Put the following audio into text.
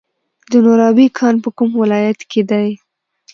د نورابې کان په کوم ولایت کې دی؟